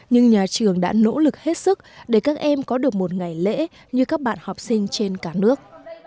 nhưng nhà trường đã nỗ lực hết sức để các em có được một ngày lễ như các bạn học sinh trên cả nước